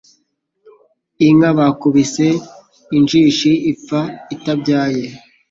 inka bakubise injishi ipfa itabyaye